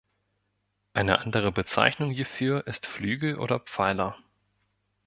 Eine andere Bezeichnung hierfür ist Flügel oder Pfeiler.